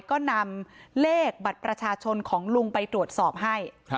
ก็นำเลขบัตรประชาชนของลุงไปตรวจสอบให้